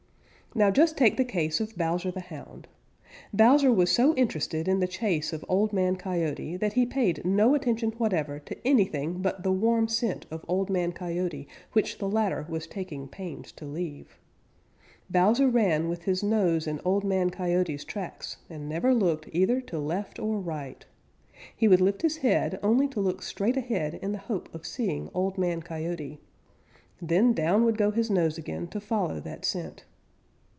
Now just take the case of Bowser the Hound. Bowser was so interested in the chase of Old Man Coyote that he paid no attention whatever to anything but the warm scent of Old Man Coyote which the latter was taking pains to leave. Bowser ran with his nose in Old Man Coyote's tracks and never looked either to left or right. He would lift his head only to look straight ahead in the hope of seeing Old Man Coyote. Then down would go his nose again to follow that scent.